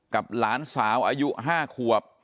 กับหลานสาวอายุ๕ควบ